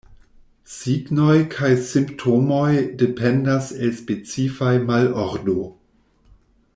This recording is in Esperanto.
Signoj kaj simptomoj dependas el specifa malordo.